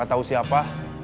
gak tau siapa